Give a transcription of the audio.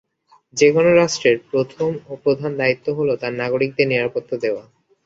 যেকোনো রাষ্ট্রের প্রথম ও প্রধান দায়িত্ব হলো তার নাগরিকদের নিরাপত্তা দেওয়া।